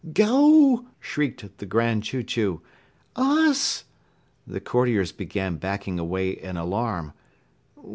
"Go!" shrieked the Grand Chew Chew. "Us?" The Courtiers began backing away in alarm.